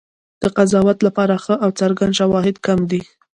د قضاوت لپاره ښه او څرګند شواهد کم دي.